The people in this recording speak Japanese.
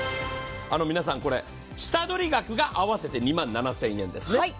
皆さん、下取り額が合わせて２万７０００円ですね。